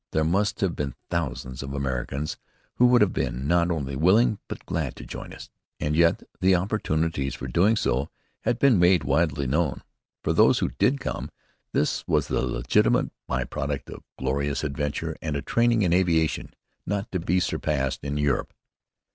There must have been thousands of Americans who would have been, not only willing, but glad to join us; and yet the opportunities for doing so had been made widely known. For those who did come this was the legitimate by product of glorious adventure and a training in aviation not to be surpassed in Europe.